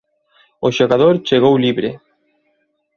O xogador chegou libre.